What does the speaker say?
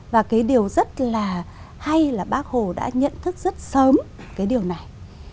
và điều rất hay là bác hồ đã nhận thức rất sớm điều này